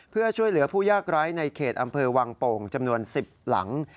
เพื่อช่วยเหลือผู้ยากไร้ในเขตอำเภอวังโป่งจำนวน๑๐หลัง